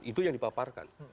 itu yang dipaparkan